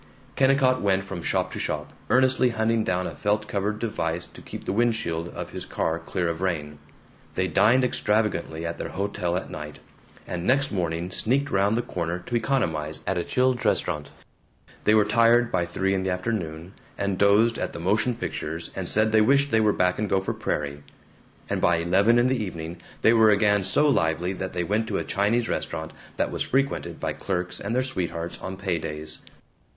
Kennicott went from shop to shop, earnestly hunting down a felt covered device to keep the windshield of his car clear of rain. They dined extravagantly at their hotel at night, and next morning sneaked round the corner to economize at a Childs' Restaurant. They were tired by three in the afternoon, and dozed at the motion pictures and said they wished they were back in Gopher Prairie and by eleven in the evening they were again so lively that they went to a Chinese restaurant that was frequented by clerks and their sweethearts on pay days.